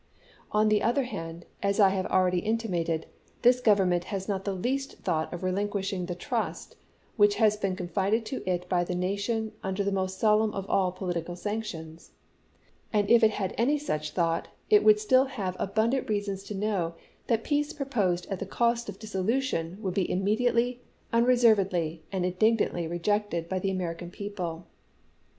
" On the other hand, as I have already intimated, this Government has not the least thought of relin quishing the trust which has been confided to it by the nation under the most solemn of all political sanctions; and if it had any such thought, it would still have abundant reasons to know that peace proposed at the cost of dissolution would be immediately, unreservedly, and indignantly re jected by the American people.